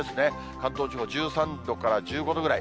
関東地方１３度から１５度ぐらい。